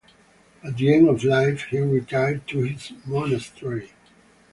At the end of life, he retired to his monastery.